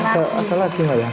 satu lagi ya